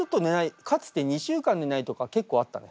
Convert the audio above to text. かつて２週間寝ないとか結構あったね。